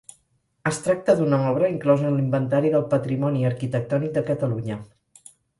Es tracta d'una obra inclosa en l'Inventari del Patrimoni Arquitectònic de Catalunya.